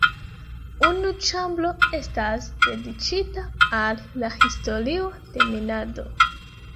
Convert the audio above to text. Unu ĉambro estas dediĉita al la historio de minado.